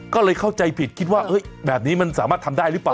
ก็เลยเข้าใจผิดคิดว่าแบบนี้มันสามารถทำได้หรือเปล่า